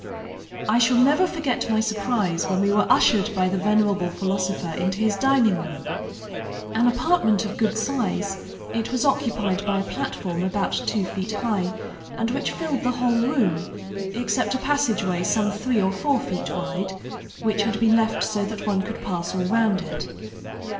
"I shall never forget my surprise when we were ushered by the venerable philosopher into his dining room. An apartment of good size, it was occupied by a platform about two feet high, and which filled the whole room, except a passageway some three or four feet wide, which had been left so that one could pass all round it.